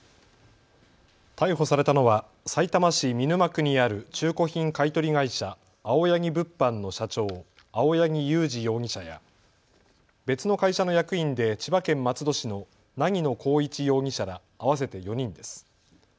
逮捕されたのはさいたま市見沼区にある中古品買い取り会社青柳物販の社長、青やぎ佑待容疑者や別の会社の役員で千葉県松戸市の薙野光一容疑者ら合わせて４人です。